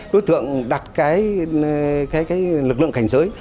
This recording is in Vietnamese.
đối tượng đặt cái lực lượng cảnh giới